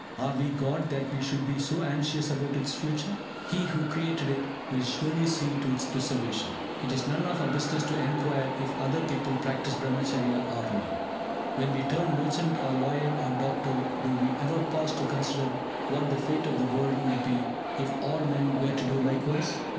Are we God that we should be so anxious about its future? He who created it will surely see to its preservation. It is none of our business to enquire if other people practise Brahmacharya or not. When we turn merchant or lawyer or doctor, do we ever pause to consider what the fate of the world would be if all men were to do likewise?